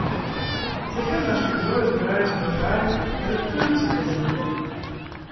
Цяпер нашы героі збіраюць уражай і рыхтуюцца да зімы.